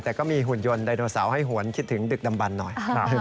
แต่ก็มีหุ่นยนต์ไดโนเสาร์ให้หวนคิดถึงดึกดำบันหน่อย